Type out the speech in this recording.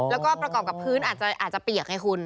แล้วก็ประกอบกับพื้นอาจจะเปียกไงคุณ